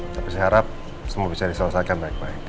tapi saya harap semua bisa diselesaikan baik baik